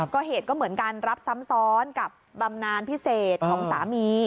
ก็เหตุก็เหมือนกันรับซ้ำซ้อนกับบำนานพิเศษของสามี